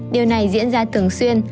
điều này diễn ra thường xuyên